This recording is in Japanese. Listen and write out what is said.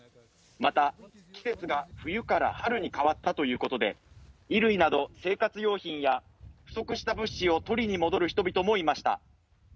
また、季節が冬から春に変わったということで衣類など生活用品や不足した物資を取りに戻る人もいました。